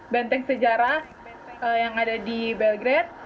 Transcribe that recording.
benteng sejarah yang ada di belgrade